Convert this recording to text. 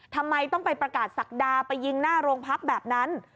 ทำไมต้องไปประกาศศักดาไปยิงหน้าโรงพักแบบนั้น